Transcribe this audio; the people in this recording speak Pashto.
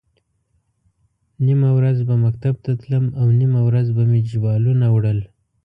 نیمه ورځ به مکتب ته تلم او نیمه ورځ به مې جوالونه وړل.